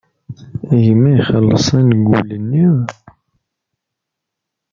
Gma ixelleṣ angul-nni.